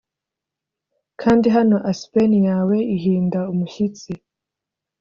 kandi hano aspen yawe ihinda umushyitsi;